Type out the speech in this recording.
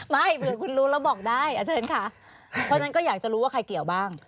ไม่เผื่อคุณรู้แล้วบอกได้อาจารย์ค่ะเพราะฉะนั้นก็อยากจะรู้ว่าใครเกี่ยวบ้าง